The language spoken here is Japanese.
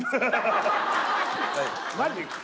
マジ